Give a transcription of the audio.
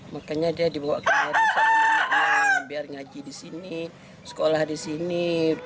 makanya dia dibawa ke air biar ngaji di sini sekolah di sini